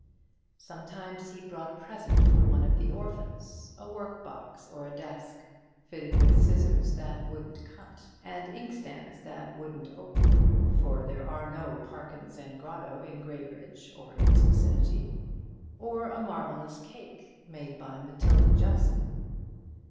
Sometimes he brought a present for one of the orphans, a work box or a desk, fitted with scissors that wouldn't cut, and inkstands that wouldn't open (for there are no Parkins and Gotto in Graybridge or its vicinity), or a marvellous cake, made by Matilda Jeffson.